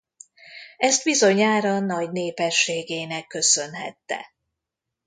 Ezt bizonyára nagy népességének köszönhette.